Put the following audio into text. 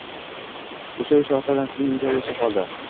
Oʻsha-oʻsha ota-onasining uyida yashab qoldi